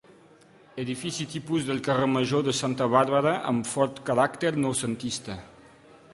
Edifici tipus del carrer major de Santa Bàrbara, amb fort caràcter noucentista.